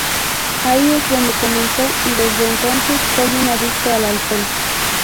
Ahí es donde comenzó, y desde entonces soy un adicto al alcohol".